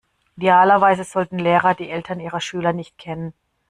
Idealerweise sollten Lehrer die Eltern ihrer Schüler nicht kennen.